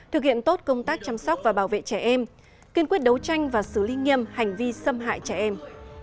thực hiện tốt công tác chăm sóc và bảo vệ trẻ em kiên quyết đấu tranh và xử lý nghiêm hành vi xâm hại trẻ em